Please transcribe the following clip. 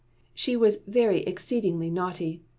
She was very exceedingly naughty.